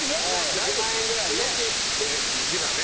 １万円ぐらいね。